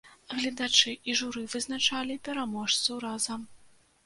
Гледачы і журы вызначалі пераможцу разам.